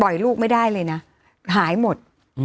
ลูกไม่ได้เลยนะหายหมด